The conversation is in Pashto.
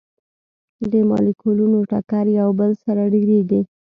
د مالیکولونو ټکر یو بل سره ډیریږي.